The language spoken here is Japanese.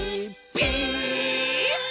ピース！」